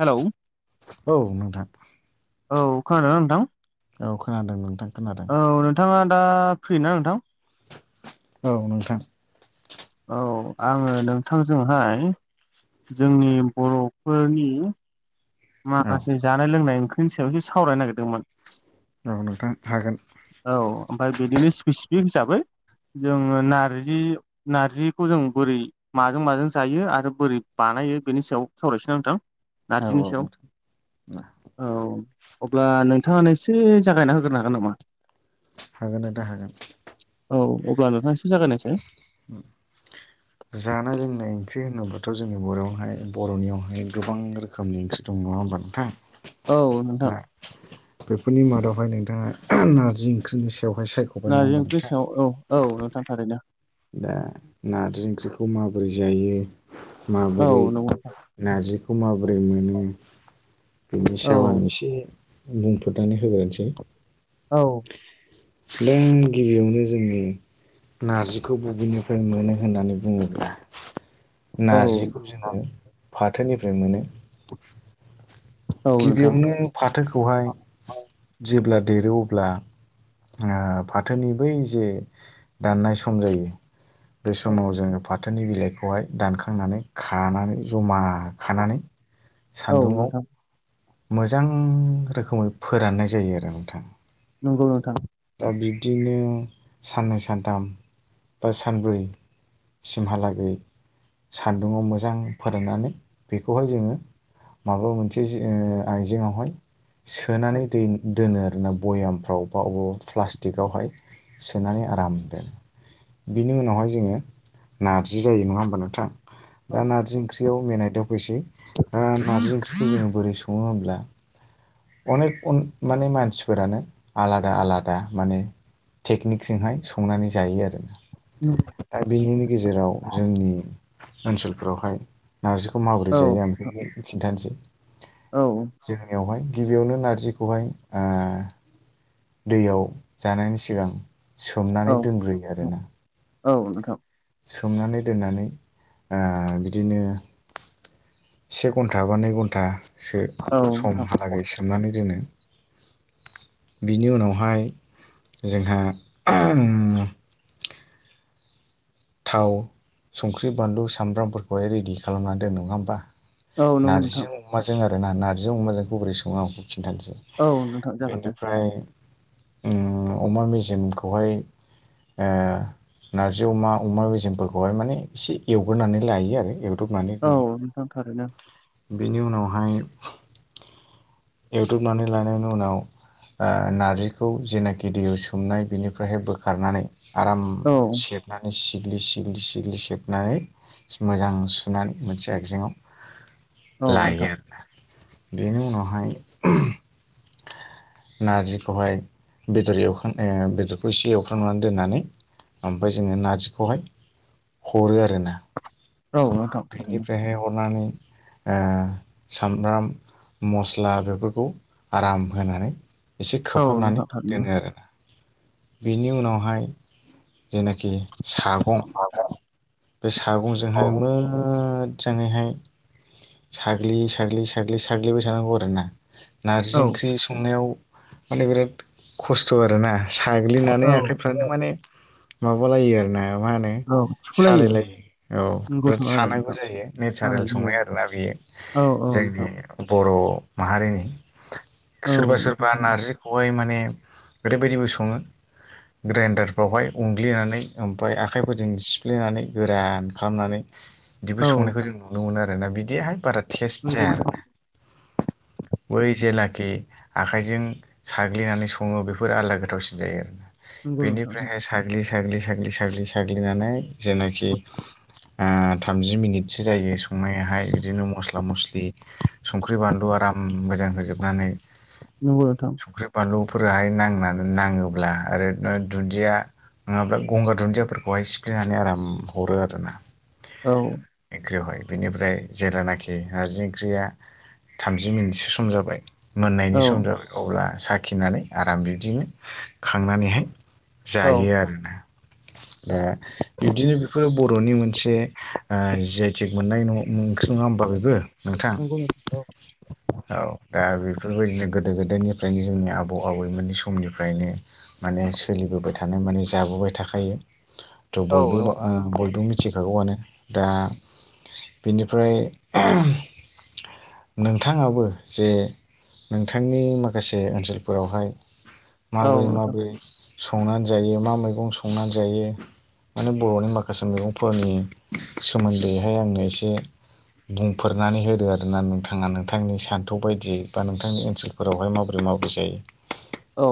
Hello औ नोंथां औ खोनादों ना नोंथां औ खोनादों नोंथां खोनादों औ नोंथाङा दा फ्रि ना नोंथां औ नोंथां औ आङो नोंथांजोंहाय जोंनि बर'फोरनि औ माखासे जानाय लोंनाय ओंख्रिनि सायावसो सावरायनो नागिरदोंमोन औ नोंथां हागोन औ ओमफ्राय बिदिनो स्पेसिफिक हिसाबै जोङो नारजि नारजिखौ जों बोरै माजों माजों जायो आरो बोरै बानायो बेनि सायाव सावरायनसै ना नोंथां औ नारजिनि औ सायाव औ अब्ला नोंथाङानो एसे जागायना होग्रोनो हागोन नामा हागोन नोंथां हागोन औ अब्ला नोंथांया ऐसे जागायनायसाय जानाय लोंनाय ओंख्रि होनोब्लाथ' जोंनि बर'आवहाय बर'नियावहाय गोबां रोखोमनि ओंख्रि दङ नंङा होनबा नोंथां औ नोंथां दा बेफोरनि मादावहाय नोंथाङा नारजि ओंख्रिनि सायावहाय सायख' नारजि ओंख्रि सायाव औ औ नोंथां थारैनो दा नारजि ओंख्रिखौ माबोरै जायो औ माबोरै नंगौ नार्जिखौ माबोरै मोनो बेनि औ सायाव आं इसे बुंफोदनानै होग्रोनोसै औ नों गिबियावनो जोंनि नारजि खौ बबेनिफ्राय मोनो होननानै बुङोब्ला नारजिखौ जोङो फाथोनिफ्राय मोनो औ नोंथां गिबियावनो फाथोखौहाय जेब्ला देरो अब्ला ओ फाथोनि बै जे दाननाय सम जायो बे समाव जोङो फाथोनि बिलाइखौहाय दानखांनानै खानानै जमा खानानै औ सान्दुुंआव नोंथां मोजां रोखोमै फोराननाय जायो आरो नोंथां नंगौ नोंथां दा बिब्दिनो साननै सानथाम बा सानब्रै सिमहालागै सान्दुङाव मोजां फोराननानै बेखौहाय जोङो माबा मोनसे जे ओ आइजेंआवहाय औ सोनानै दो दोनो आरोना भयामफ्राव बा अबाव प्लास्टिकआवहाय सोनानै आराम दोन बिनि उनावहाय जोङो नार्जि जायो नङा होमबा औ दा नारजि ओं [unintelligible] मेनाय दाव फैसै दा नारजि ओंख्रिखौ जों बोरै सङो होमब्ला अनेकन माने मानसिफोरानो आलादा आलादा दा माने टेकनिकजोंहाय संनानै जायो आरो ना दा बिनिनो गेजेराव जोंनि ओनसोलफोरावहाय नारजिखौ माबोरै औ जायो आं नोंथां बेखौ खिन्थानोसै औ जोंनियावहाय गिबियावनो नारजिखौहाय ओ दैयाव जानायनि सिगां सोमनानै दोनग्रोयो आरोना औ नोंथां सोमनानै दोननानै ओ बिदिनो से घन्टा बा नै घन्टासो समहालागै सोमनानै दोनो बिनि उनावहाय जोंहा ओम थाव संख्रि बानलु सामब्रामफोरखौहाय रेडि खालामना दोनो नङा होमबा नंगौ नोंथां नारजिजों अमाजों आरो ना नारजिजों अमाजोंखौ बोरै सङो आं बेखौ खिन्थानोसै औ नोंथां जागोन दे बेनिफ्राय उम अमा मेजेमखौहाय ओह नारजि अमा अमा मेजेमफोरखौहाय माने एसे एवग्रोनानै लायो आरो एवदबनानै दोनो औ नोंथां थारैनो बेनि उनावहाय एउदबनानै लानायनि उनाव ओ नारजिखौ जेनाखि दैयाव सोमनाय बिनिफ्रायहाय बोखारनानै आराम औ सेबनानै सिग्लि सिग्लि सिग्लि सेबनानै मोजां सुनानै मोनसे आगजेंआव औ नोंथां लायो बेनि उनावहाय नारजिखौहाय बेदर एवखां ओ बेदरखौ एसे एवख्रांनानै दोननानै आमफ्राय जोङो नार्जिखौहाय हरो आरो ना औ थारैनो बेनिफ्रायहाय हरनानै ओ सामब्राम मस्ला बेफोरखौ आराम होनानै एसे औ खोबहाबनानै नोंथां थारैनो दोनो आरोना बिनि उनावहाय जेनाखि सागं [unintelligible] बे औ सागंजोंहाय मोजजाङैहाय साग्लि साग्लि साग्लि साग्लिबाय थानांगौ आरो ना नारजि ओंख्रि संनायाव माने बिराद खस्थ आरोना साग्लिनानै औ आखाइफ्रानो माने माबालायो आरोना मा होनो औ थिखुलायो सालायलायो औ नंगौथ' बिराद आरो सानांगौ नोंथां जायो नेचारेल हानाय जायो संनाय आरो बे औ औ नोंथां जोंनि बर' माहारिनि औ सोरबा नोंथां सोरबा नारजिखौहाय माने ओरैबायदिबो सङो ग्राइन्डारफ्रावहाय उनग्लिनानै ओमफफ्राय आखाइफोरजों सिफ्लेनानै गोरान खालामनानै [inaudible] बिदिबो संनायखौ जों नुनो मोनो आरोना बिदिहाय बारा टेस्ट जाया आरोना [inaudible] बै जेलाखि आखाइजों साग्लिनानै सङो बेफोर आलादा गोथावसिन जायो आरोना नंगौ नोंथां बेनिफ्रायहाय साग्लि साग्लि साग्लि साग्लि साग्लिनानै जेनाखि ओ थामजि मिनिटसो जायो संनायाहाय बिदिनो मस्ला मस्लि संख्रि बानलु आराम मोजां होजोबनानै नंगौ नोंथां संख्रि बानलुफोराहाय नांना नांनानै नाङोब्ला ओरैनो दुन्दिया नोंङाब्रा गंगार दुन्दियाफोरखौहाय सिफ्लेनानै आराम हरो आरोना औ एकख्रिहाय बेनिफ्राय जेलानाखि नारजि ओंख्रिया थामजि मिनिटसो सम जाबाय मोननायनि सम औ जाबाय अब्ला साखिनानै आराम बिब्दिनो खांनानैहाय औ जायो आरो ना दा बिब्दिनो बेफोरो बर'नि मोनसे ओ जि आइ टेग मोननाय न' नुं नंङा होमबा बेबो नोंथां नंगौ नोंथां औ दा बेफोरबायदिनो गोदो गोदायनिफ्रायनो जोंनि आबौ आबै मोननि समनिफ्रायनो माने सोलिबोबाय थानाय माने जाबोबाय थाखायो थ' औ औ बयबो ओ बयबो मिथिखागौआनो दा बेनिफ्राय नोंथांङाबो जे नोंथांनि माखासे ओनसोलफोरावहाय माबोरै नोंथां माबोरै संनानै जायो मा मैगं संनानै जायो माने बर'नि माखासे मैगंफोरनि सोमोन्दैहाय आंनो एसे बुंफोरनानै होदो आरोना नोंथांङा नोंथांनि सान्थौ बायदियै बा नोंथांनि ओनसोल फोरावहाय माबोरै माबोरै जायो औ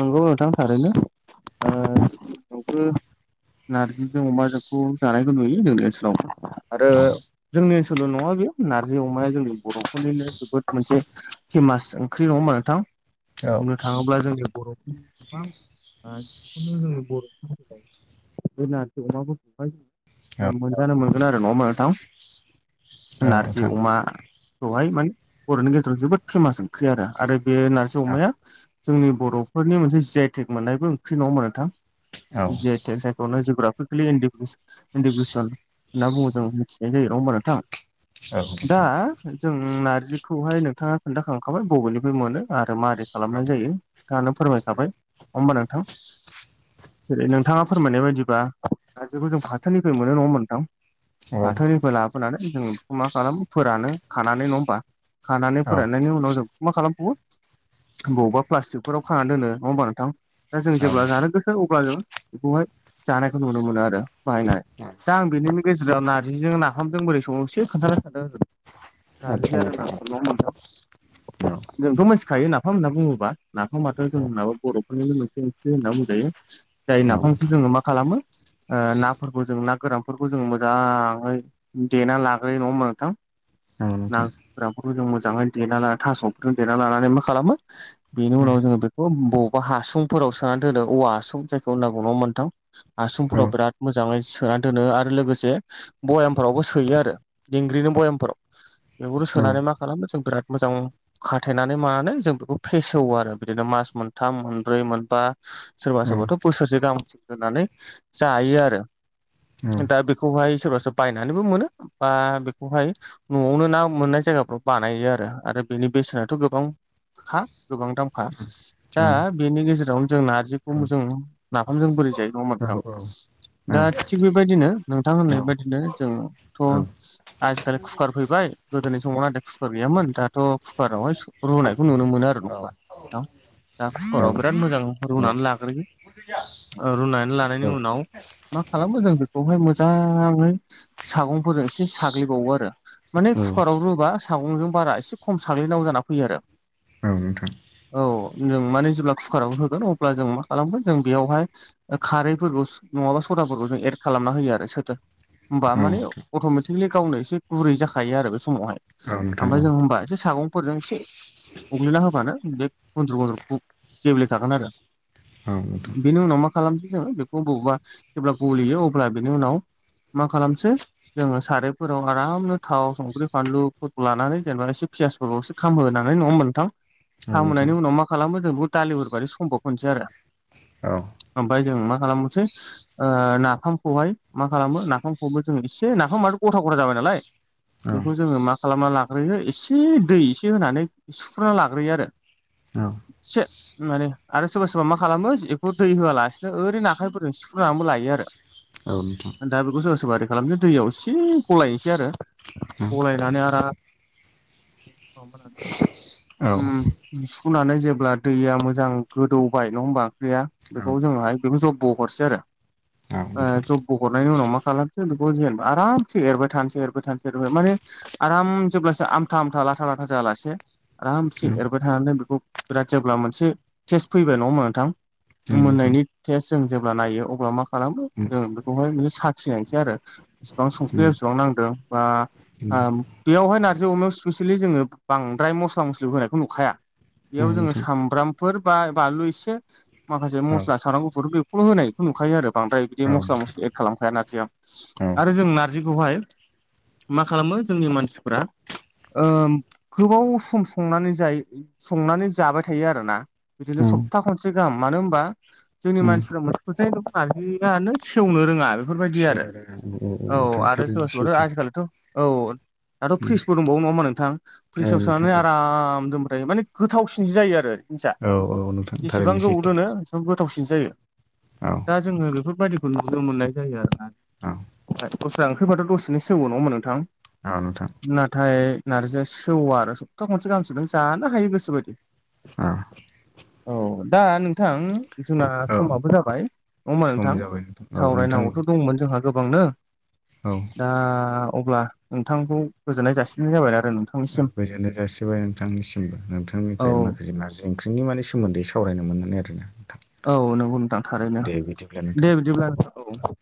नंगौ नोंथां थारैनो ओ नार्जिजों अमाजोंखौ जानायखौ नुयो जोंनि ओनसोलावबो आरो जोंनि ओनसोलल' नंङा बेयो नारजि अमाया जोंनि बर'फोरनिनो जोबोद मोनसे फेमास ओंख्रि नंङा होमबा नोंथां औ बुंनो थाङोब्ला जोंनि बर'फोरनि [unintelligible] औ मोनजानो मोनगोन आरो नंङा होमब्ला नोंथां नारजि नोंथां अमा खौहाय माने बर'नि गेजेराव जोबोद फेमास ओंख्रि आरो आरो बे नार्जि औ अमाया जोंनि बर'फोरनि मोनसे जि आइ टेग मोननायबो ओंख्रि नङा होमब्ला नोंथां औ जि आइ औ [unintelligible] दा नोंथां जों नारजिखौहाय नोंथांङा खोन्थाखांखाबाय बबेनिफ्राय मोनो आरो माबोरै खालामनाय जायो नोंथाङानो फोरमायखाबाय नंङा होमबा नोंथां जेरै नोंथाङा फोरमायनाय बायदिबा नार्जिखौ जों फाथोनिफ्राय मोनो नंङा होमब्ला नोंथां औ फाथोनिबो लाबोनानै जों बेखौ मा खालामो फोरानो खानानै नंङा होमबा खानानै औ फोराननायनि उनाव जों मा खालामबावो बवबा प्लास्टिकफोराव खानानानै दोनो नंङा होमबा नोंथां दा जों जेब्ला जानो गोसो अब्ला जों बेखौहाय जानायखौ नुनो मोनो आरो बाहायनाय दा आं बेनि गेजेराव नारजिजों नाफामजों बोरै संङो एसे [unintelligible] [unintelligible] आदसा नोंथां औ जोंथ' औ मोन्थिखायो नाफाम होनना बुङोब्ला नाफामाथ' औ जोंनाबो बर'फोरनिनो मोनसे ओंख्रि होनना बुंजायो जाय औ नाफामखौ जोंङो मा खालामो ओ नाफोरखौ जों ना गोरानफोरखौ जों मोजांङै देनानै लाग्रोयो नंङा होमबा नोंथां ना नोंथां गोरानफोरखौ जों मोजांङै देना ला थास'फोरजों देना लानानै मा खालामो बेनि औ उनाव जोंङो बेखौ बबावबा हासुंफोराव सोनानै दोनो औवा हासुं जायखौ होनना बुंङो नंङा होमब्ला नोंथां औ हासुंफोराव बिरात मोजांङै सोनानै दोनो आरो लोगोसे भयामफोरावबो सोयो आरो दिंग्रिनि भयामफोराव औ नोंथां औ बेखौ नोंथां औ नोंथां सोनानै मा खालामो जों बिराद मोजां खाथायनानै मानानै जों ओ फेसेवो आरो बिदिनो मास मोनथाम मोनब्रै मोनबा सोरबा सोरबाथ' औ बोसोरसे गाहाम दोननानै जायो आरो नोंथां औ नोंथां औ नोंथां औ दा बे बे खौहाय सोरबा सोरबा बायनानैबो मोनो बा बेखौहायो न'आवनो ना मोननाय जायगाफ्राव बानायो आरो आरो बेनि बेसेनाथ' गोबां गोबां दामखा नोंथां दा बेनि गेजेरावनो जों नार्जि खौ बे जों नाफामजों बोरै जायो नङा होनबा नोंथां दा थिग बेबायदिनो नोंथां बेबायदिनो जोंथ' आजिखालि कुकार फैबाय गोदोनि समावआथ कुकार गैयामोन दाथ' कुकार आवहायो रुनायखौ नुनो मोनो आ होना दा कुकाराव बिराद मोजां रुनानै लाग्रो। गैया रुनानै लानायनि उनाव मा खालामो जों बेखौहाय मोजाङै सागंफोरजों एसे साग्लिबावो आरो माने कुकाराव रुबा सागंजों बारा एसे खम साग्लिनांगौ जाना फैयो। औ नोंथां। औ जों माने जेब्ला कुकाराव होगोन अब्ला जों मा खालामगोन जों बेयावहाय खारैफोरखौ नङाबा सदाफोरखौ जों एद खालामना होयो आरो सोरथ होमबा माने अट'मेटिकलि गावनो एसे गुरै जाखायो आरो बे समाव। ओमफ्राय जों होनबा एसे सागंफोरजों एसे उग्लिना होबानो बे गुन्द्र' गन्द्र' गेब्ले खागोन आरो बेनि उनाव मा खालामसै जोङो बेखौ बबेबा जेब्ला गलियो अब्ला बेनि उनाव मा खालामसै जोङो सारायफोराव आरामनो थाव, संख्रि, फानलुफोरखौ लानानै जेनेबा एसे फियासफोरखो खामहोनानै नङा होनबा नोंथां खामहोनायनि उनाव मा खालामो जों बे दालि हरबानो सम्भब होननोसै आरो। औ। ओमफ्राय जों मा खालामनोसै ओ नाफामखौहाय खालामो नाफामखौबो एसे नाफाम माथ' गथा गथा जाबाय नालाय। बेखौ जोङो मा खालामना लाग्रोयो एसे दै एसे होनानै सुफ्रुना लाग्रोयो आरो। [inaudible] से माने आरो सोरबा सोरबा मा खालामो बेखौ दै होआलासिनो ओरै आखायफोरजों सिफुनानैबो लायो आरो। ओ। दा बेखौ सोरबा सोरबा ओरै खालामसै दैयाव एसे गलायनोसै आरो गलायनानै आराम [inaudible] उम सुखुनानै जेब्ला दैया मोजां गोदौबाय नङा होमबा ओंख्रिया बेखौ जोंङोहाय बेखौ जबबो हरसै आरो। ओ जबब' हरनायनि उनाव मा खालामसै बेखौ जेनेबा आरामसे एरबाय थानोसै एरबाय थानोसै एरबाय माने आराम जेब्लासो आमथा आमथा लाथा लाथा जायालासिनो आरामसे एरबाय थानानै बेखौ बिराद जेब्ला मोनसे टेस्ट फैबाय नङा होनबा नोंथां? मोननायनि टेस्ट जों जेब्ला नायो अब्ला मा खालामो जों बेखौहाय साखिनायसै आरो। एसिबां संफैयो एसेबां नांदों बा बेवहाय नारजि अमायाव स्पेसियेलि जोङो बांद्राय मस्ला मस्लि होनायखौ नुखाया। बेयाव औ जोङो नोंथां सामब्रामफोर बा बानलु एसे माखासे औ मस्ला साम्राम गुफुर बेखौल' होनायखौ नुखायो आरो बांद्राय बिदि मस्ला नोंथां मस्लि एद खालामखाया नारजियाव। औ आरो जों नारजिखौहाय मा खालामो जोंनि मानसिफ्रा ओ गोबाव सम संनानै जायो संनानै जाबाय थायो आरोना औ बिदिनो सप्ता खनसे गाहाम मानो होनबा जोंनि उम मानसिफ्रा मोनसे फोथायनो खारहैयानो सेवनो रोङा बेफोरबायदि आरो सिगांनो रोङा औ नोंथां आरो सोरबा थारैनो सोरबाथ' सैथो आजिखालिथ' औ दाथ' उम फ्रिजबो दंबावो नङाहोमबा नोंथां औ फ्रिजाव नोंथां सोनानै औ आरो आराम दोनबायथायो माने गोथावसिनसो जायो आरो इसा औ औ नोंथां एसेबां थारैनो गोबाव सैथो दोनो गोथावसिनसो जायो। औ दा जोङो बेफोरबायदिखौ नुनो मोननाय जायो आरोना। औ [unintelligible] दस्रा ओंख्रिबाथ' दसेनो सेवो नङाहोनबा नोंथां आ नोथां नाथाय नारजिया सेवा आरो सप्ता खनसे गाहामसिम नों जानो हायो गोसोबायदि आ औ दा नोंथां जोंना औ समाबो जाबाय नङा होमबा सम नोंथां जाबाय औ नोंथां सावरायनांगौथ' दंमोन जोंहा गोबांनो औ दा अब्ला नोंथांखौ गोजोननाय जासिनाय जाबाय आरोना नोंथां औ गोजोननाय जासिबाय नोंथांनिसिमबो औ नोंथांनिफ्राय माखासे नार्जि ओंख्रिनि माने सोमोन्दै सावरायनो मोननानै आरोना नोंथां औ नंगौ नोंथां थारैनो दे बिदिब्ला नोंथां दे बिदिब्ला औ